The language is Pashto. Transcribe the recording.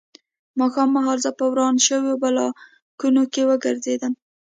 ماښام مهال زه په ورانو شویو بلاکونو کې وګرځېدم